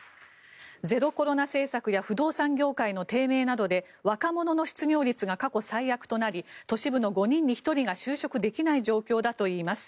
ゼロコロナ政策や不動産業界の低迷などで若者の失業率が過去最悪となり都市部の５人に１人が就職できない状況だといいます。